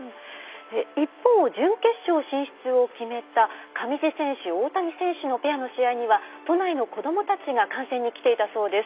一方準決勝進出を決めた上地選手、大谷選手のペアの試合には都内の子どもたちが観戦に来ていたそうです。